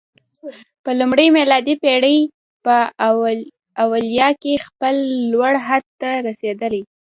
د لومړۍ میلادي پېړۍ په اوایلو کې خپل لوړ حد ته رسېدلی